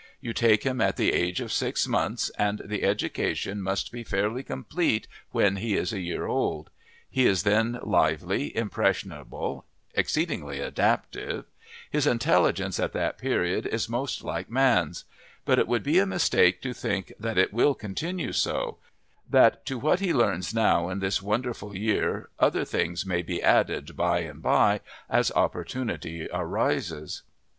You take him at the age of six months, and the education must be fairly complete when he is a year old. He is then lively, impressionable, exceedingly adaptive; his intelligence at that period is most like man's; but it would be a mistake to think that it will continue so that to what he learns now in this wonderful half year, other things may be added by and by as opportunity arises.